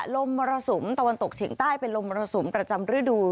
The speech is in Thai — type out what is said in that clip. มรสุมตะวันตกเฉียงใต้เป็นลมมรสุมประจำฤดู